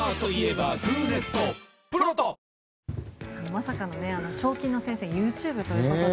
まさかの彫金の先生ＹｏｕＴｕｂｅということで。